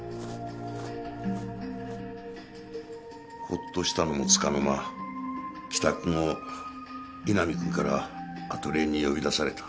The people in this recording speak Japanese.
ホッとしたのもつかの間帰宅後井波くんからアトリエに呼び出された。